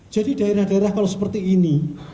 jadi daerah daerah kalau seperti ini